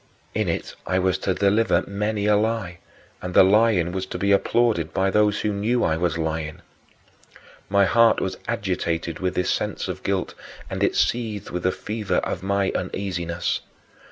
In it I was to deliver many a lie, and the lying was to be applauded by those who knew I was lying. My heart was agitated with this sense of guilt and it seethed with the fever of my uneasiness.